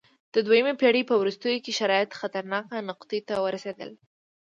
د دویمې پېړۍ په وروستیو کې شرایط خطرناکې نقطې ته ورسېدل